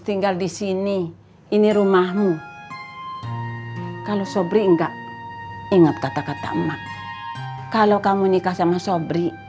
tinggal di sini ini rumahmu kalau sobri enggak ingat kata kata emak kalau kamu nikah sama sobri